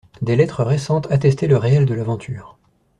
Des lettres récentes attestaient le réel de l'aventure.